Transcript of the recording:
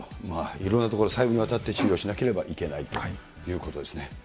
いろんなところ、細部にわたって注意をしなければいけないということですね。